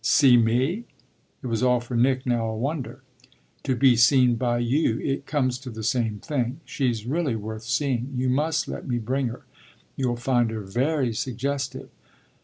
"'See' me?" It was all for Nick now a wonder. "To be seen by you it comes to the same thing. She's really worth seeing; you must let me bring her; you'll find her very suggestive.